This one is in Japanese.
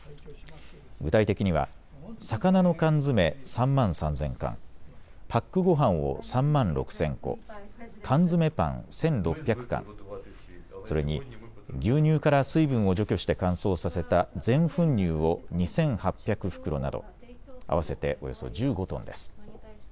具体的には魚の缶詰３万３０００缶パックごはんを３万６０００個缶詰パン１６００缶、それに牛乳から水分を除去して乾燥させた全粉乳を２８００袋など合わせて１５トンです。